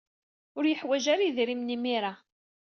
Ur yeḥwaj ara idrimen imir-a.